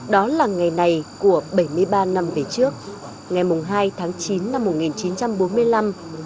đó là ngày này của bảy mươi ba năm về trước ngày hai tháng chín năm một nghìn chín trăm bốn mươi năm